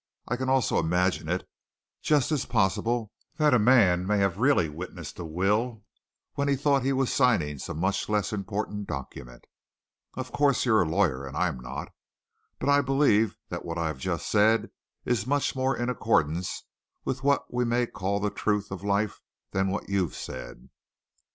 I can also imagine it just as possible that a man may have really witnessed a will when he thought he was signing some much less important document. Of course, you're a lawyer, and I'm not. But I believe that what I have just said is much more in accordance with what we may call the truth of life than what you've said."